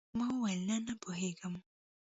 ما وويل نه نه پوهېږم.